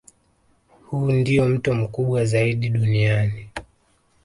Huu ndio mto mkubwa zaidi duniani